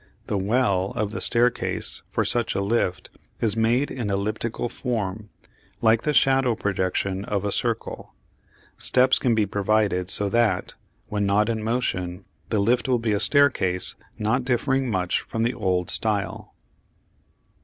The "well" of the staircase for such a lift is made in elliptical form, like the shadow projection of a circle. Steps can be provided so that, when not in motion, the lift will be a staircase not differing much from the old style.